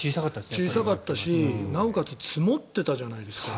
小さかったし、なおかつ積もってたじゃないですか。